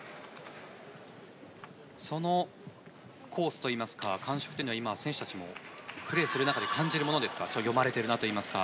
そのコースといいますか感触というのは選手たちもプレーする中で感じるものですか読まれてるなとか。